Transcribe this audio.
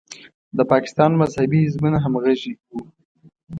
د پاکستان مذهبي حزبونه همغږي وو.